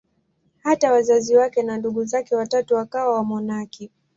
Hata wazazi wake na ndugu zake watatu wakawa wamonaki.